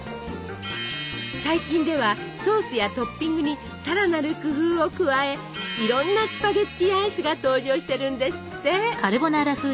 最近ではソースやトッピングに更なる工夫を加えいろんなスパゲッティアイスが登場してるんですって！